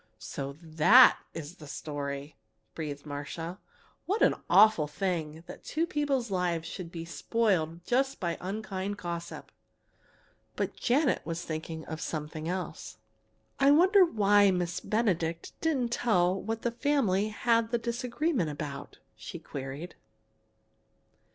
"So that is the story!" breathed Marcia. "What an awful thing that two people's lives should be spoiled just by unkind gossip!" But Janet was thinking of something else. "I wonder why Miss Benedict didn't tell what the family had the disagreement about!" she queried.